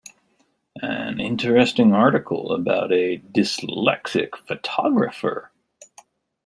An interesting article about a dyslexic photographer.